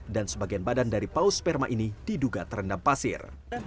dan sebagian badan dari paus sperma ini diduga terendam pasir